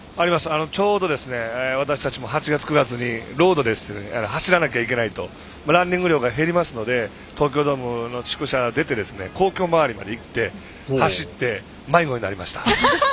ちょうど私たちも８月、９月にロードで走らなきゃいけなくてランニング量が減りますので東京ドームの宿舎を出て皇居周りまで行って走って迷子になりました。